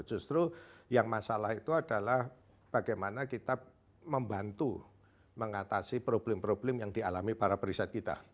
justru yang masalah itu adalah bagaimana kita membantu mengatasi problem problem yang dialami para periset kita